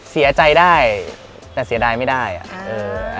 เสียใจได้แต่เสียดายไม่ได้อ่ะเออ